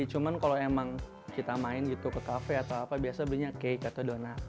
cuman kalau emang kita main gitu ke kafe atau apa biasanya belinya cake atau donat